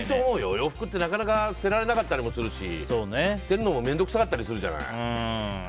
洋服ってなかなか捨てられなかったりもするし捨てるのも面倒くさかったりするじゃない。